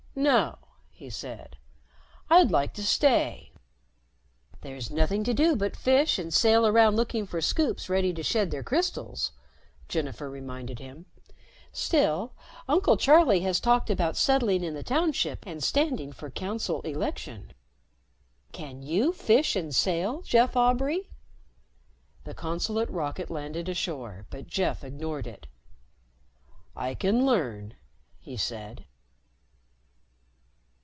"No," he said. "I'd like to stay." "There's nothing to do but fish and sail around looking for Scoops ready to shed their crystals," Jennifer reminded him. "Still, Uncle Charlie has talked about settling in the Township and standing for Council election. Can you fish and sail, Jeff Aubray?" The consulate rocket landed ashore, but Jeff ignored it. "I can learn," he said.